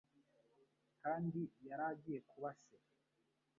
Kandi yari agiye kuba se.